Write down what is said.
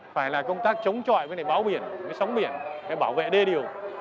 phải là công tác chống trọi bên này báo biển sống biển bảo vệ đê điều